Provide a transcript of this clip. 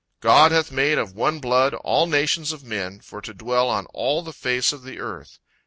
"God hath made of one blood, all nations of men, for to dwell on all the face of the earth."